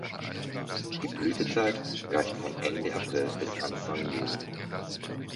Die Blütezeit reicht von Ende April bis Anfang Juni.